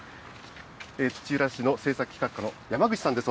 土浦市の政策企画課の山口さんです。